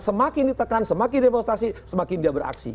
semakin ditekan semakin demonstrasi semakin dia beraksi